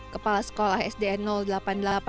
kepala sekolah sdn delapan puluh delapan